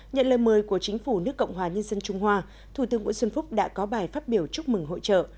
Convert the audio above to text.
nhận lời mời của chính phủ nước cộng hòa nhân dân trung hoa thủ tướng nguyễn xuân phúc đã có bài phát biểu chúc mừng hội trợ